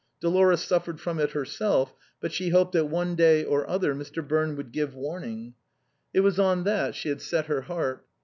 Dolores suf fered from it herself, but she hoped that one day or other Mr. Birne would give warning. It was on that she had set her heart.